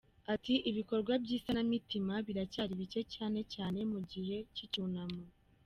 Ati ”Ibikorwa by’isanamitima biracyari bike cyane cyane mu gihe cy’icyunamo.